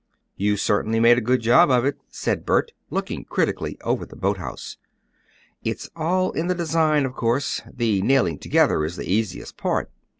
"You certainly made a good job of it," said Bert, looking critically over the boathouse. "It's all in the design, of course; the nailing together is the easiest part."